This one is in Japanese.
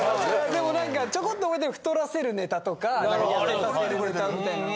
でもなんかちょこっと覚えてる太らせるネタとか痩せさせるネタみたいなの。